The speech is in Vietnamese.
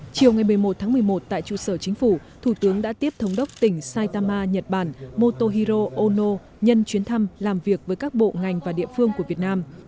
chiều ngày một mươi một tháng một mươi một tại trụ sở chính phủ thủ tướng đã tiếp thống đốc tỉnh saitama nhật bản motohiro ono nhân chuyến thăm làm việc với các bộ ngành và địa phương của việt nam